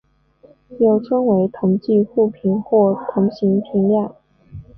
又称为同侪互评或同行评量。